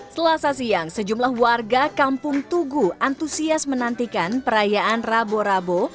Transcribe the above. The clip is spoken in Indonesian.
selasa siang sejumlah warga kampung tugu antusias menantikan perayaan rabo rabo